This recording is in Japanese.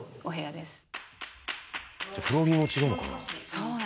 「じゃあフローリングも違うのかな？